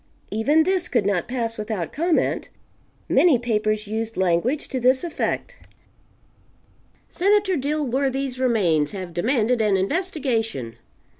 Even this could not pass without comment. Many papers used language to this effect: "Senator Dilworthy's remains have demanded an investigation.